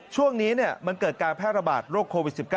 ช่วงนี้มันเกิดการแพร่ระบาดโรคโควิด๑๙